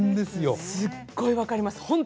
すごく分かります。